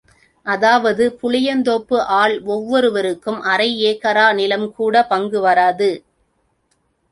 அதாவது புளியந்தோப்பு ஆள் ஒவ்வொருவருக்கும் அரை ஏகரா நிலம் கூட பங்கு வராது.